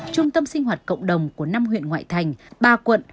trung tâm sinh hoạt cộng đồng của năm huyện ngoại thành ba quận